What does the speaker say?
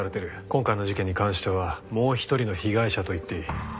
今回の事件に関してはもう一人の被害者と言っていい。